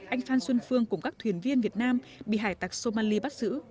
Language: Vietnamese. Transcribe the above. anh phan xuân phương cùng các thuyền viên việt nam bị hải tạc somali bắt giữ